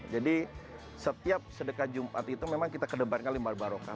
jadi setiap sedekah jumat itu memang kita kedebarkan lemari barokah